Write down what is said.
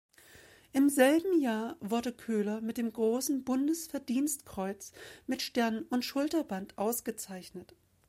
Im selben Jahr wurde Köhler mit dem Großen Bundesverdienstkreuz mit Stern und Schulterband ausgezeichnet.